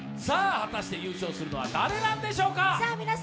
果たして優勝するのは誰なんでしょうか？